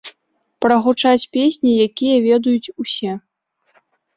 Прагучаць песні, якія ведаюць усе.